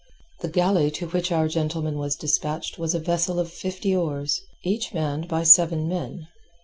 The galley to which our gentleman was dispatched was a vessel of fifty oars, each manned by seven men.